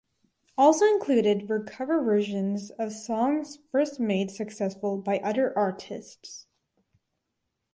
Also included were cover versions of songs first made successful by other artists.